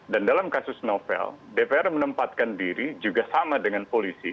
dan dalam kasus novel dpr menempatkan diri juga sama dengan polisi